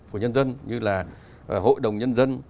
của nhân dân như là hội đồng nhân dân